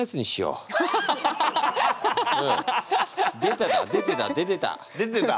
うん出てた出てた出てた。